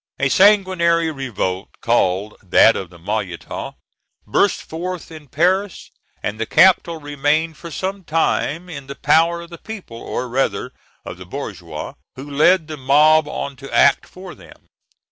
A sanguinary revolt, called that of the Maillotins, burst forth in Paris; and the capital remained for some time in the power of the people, or rather of the bourgeois, who led the mob on to act for them (1381 1382).